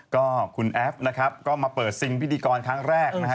ก็คุณแอฟนะครับก็มาเปิดซิงพิธีกรครั้งแรกนะฮะ